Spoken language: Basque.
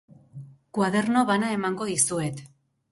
Koaderno bana emango dizuet.